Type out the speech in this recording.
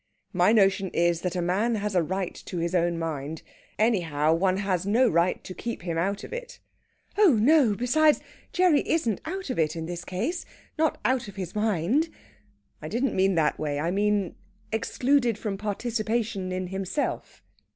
"My notion is that a man has a right to his own mind. Anyhow, one has no right to keep him out of it." "Oh no; besides, Gerry isn't out of it in this case. Not out of his mind...." "I didn't mean that way. I meant excluded from participation in himself